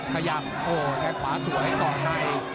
ขยับโอ้แค้นขวาสวยก่อนให้